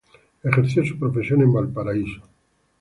Ejerció su profesión en Valparaíso.